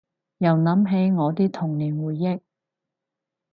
又諗起我啲童年回憶